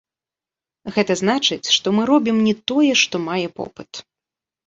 Гэта значыць, што мы робім не тое, што мае попыт.